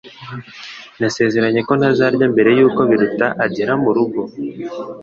Nasezeranye ko ntazarya mbere yuko Biruta agera murugo